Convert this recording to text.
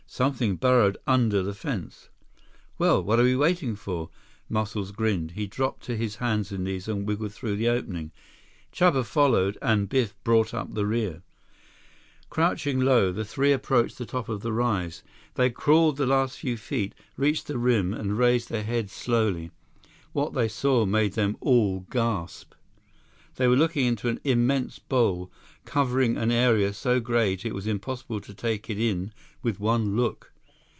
"Something burrowed under the fence." "Well, what are we waiting for?" Muscles grinned. He dropped to his hands and knees and wiggled through the opening. Chuba followed, and Biff brought up the rear. 133 Crouching low, the three approached the top of the rise. They crawled the last few feet, reached the rim, and raised their heads slowly. What they saw made them all gasp. They were looking into an immense bowl, covering an area so great it was impossible to take it in with one look.